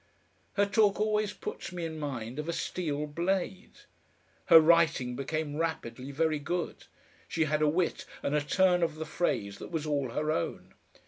Her talk always puts me in mind of a steel blade. Her writing became rapidly very good; she had a wit and a turn of the phrase that was all her own.